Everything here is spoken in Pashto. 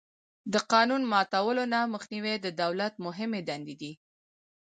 د قانون ماتولو نه مخنیوی د دولت مهمې دندې دي.